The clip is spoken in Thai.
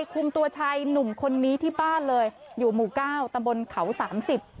คุมตัวชายหนุ่มคนนี้ที่บ้านเลยอยู่หมู่เก้าตำบลเขาสามสิบ